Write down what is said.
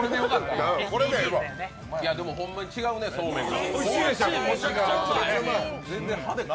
いやでも、ホンマに違うねそうめんが。